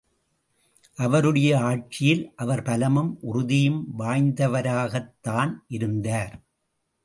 அவருடைய ஆட்சியில் அவர் பலமும் உறுதியும் வாய்ந்தவராகத்தான் இருந்தார்.